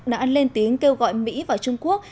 nãn lên tiếng kêu gọi mỹ và trung quốc